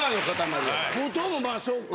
後藤もまあそっか。